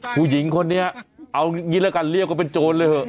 ผู้หญิงคนนี้เอางี้แล้วกันเรียกว่าเป็นโจรเลยเถอะ